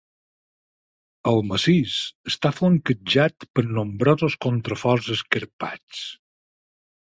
El massís està flanquejat per nombrosos contraforts escarpats.